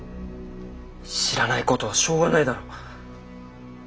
知らない事はしょうがないだろう。